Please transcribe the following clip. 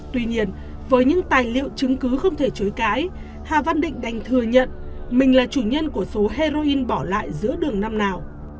tuy nhiên với những tài liệu chứng cứ không thể chối cãi hà văn định đành thừa nhận mình là chủ nhân của số heroin bỏ lại giữa đường năm nào